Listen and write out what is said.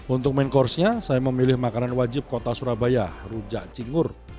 untuk main course nya saya memilih makanan wajib kota surabaya rujak cingur